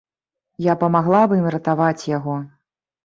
Я памагла б ім ратаваць яго.